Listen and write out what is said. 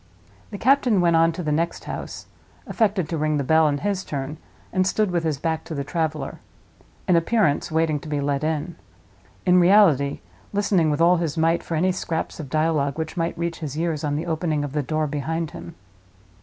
The captain went on to the next house; affected to ring the bell, in his turn, and stood with his back to the traveler—in appearance, waiting to be let in; in reality, listening with all his might for any scraps of dialogue which might reach his ears on the opening of the door behind him.